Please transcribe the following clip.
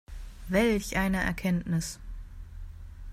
Welch eine Erkenntnis!